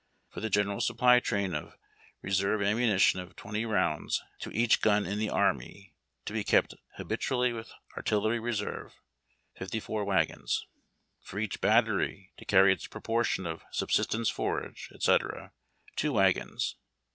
For the general supply train of reserve ammunition of 20 rounds to each gun in the Army, to be kept habitually with Artillery Reserve, 54 wagons. For each battery, to carry its proportion of subsistence, forage, etc., 2 wagons.